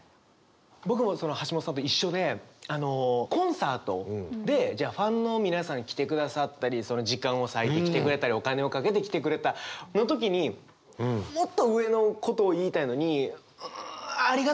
僕も橋本さんと一緒でコンサートでじゃあファンの皆さんが来てくださったり時間を割いて来てくれたりお金をかけて来てくれたの時にもっと上のことを言いたいのに「ありがとう」で終わっちゃうんですよね。